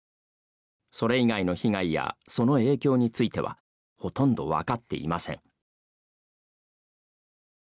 それ以外の被害やその影響についてはほとんど分かっていません。